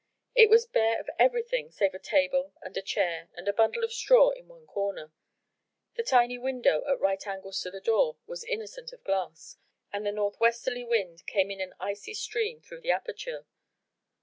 It was bare of everything save a table and a chair, and a bundle of straw in one corner. The tiny window at right angles to the door was innocent of glass, and the north westerly wind came in an icy stream through the aperture.